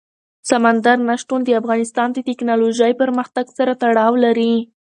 سمندر نه شتون د افغانستان د تکنالوژۍ پرمختګ سره تړاو لري.